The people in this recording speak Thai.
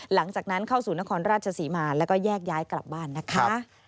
หลังจากนั้นเข้าสู่นครราชศรีมาแล้วก็แยกย้ายกลับบ้านนะคะ